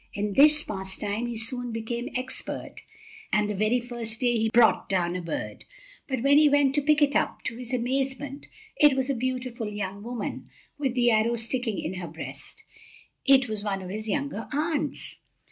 In this pastime he soon became expert, and the very first day he brought down a bird; but when he went to pick it up, to his amazement it was a beautiful young woman, with the arrow sticking in her breast. It was one of his younger aunts.